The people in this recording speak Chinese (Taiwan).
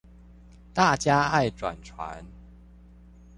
大家愛轉傳